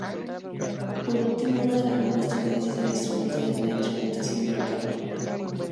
Por último, una de las nuevas tendencias en la instrumentación es la instrumentación virtual.